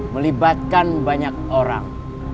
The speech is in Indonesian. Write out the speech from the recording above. melibatkan banyak orang